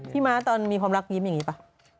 ม้าตอนมีความรักยิ้มอย่างนี้ป่ะ